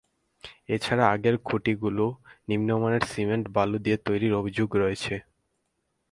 এ ছাড়া আগের খুঁটিগুলো নিম্নমানের সিমেন্ট বালু দিয়ে তৈরির অভিযোগ রয়েছে।